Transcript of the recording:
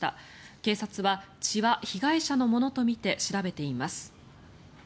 警察は血は被害者のものとみて調べています。